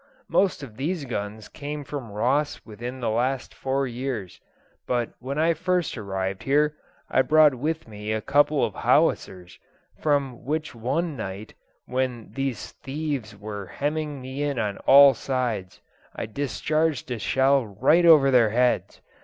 most of these guns came from Ross within the last four years; but when I first arrived here, I brought with me a couple of howitzers, from which one night, when these thieves were hemming me in on all sides, I discharged a shell right over their heads.